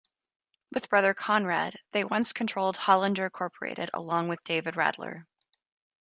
With brother Conrad, they once controlled Hollinger Incorporated along with David Radler.